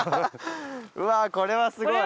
うわあこれはすごい。